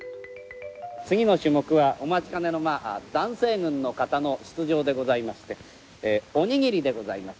次の種目はお待ちかねの男性群の方の出場でございましておにぎりでございます。